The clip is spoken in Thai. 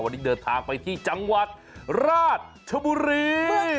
วันนี้เดินทางไปที่จังหวัดราชบุรี